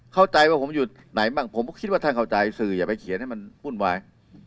เข้าใจว่าผมอยู่ไหนบ้างผมก็คิดว่าท่านเข้าใจสื่ออย่าไปเขียนให้มันวุ่นวาย